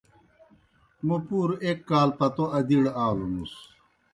موْ پُوروْ ایْک کال پتو ادِیڑ آلوْنُس۔